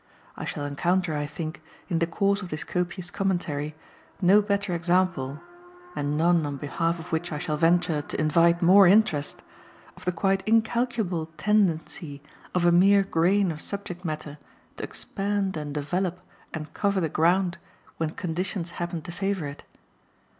I shall encounter, I think, in the course of this copious commentary, no better example, and none on behalf of which I shall venture to invite more interest, of the quite incalculable tendency of a mere grain of subject matter to expand and develop and cover the ground when conditions happen to favour it.